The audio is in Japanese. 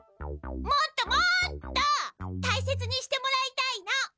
もっともっとたいせつにしてもらいたいの！